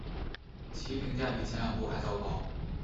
其评价比前两部还糟糕。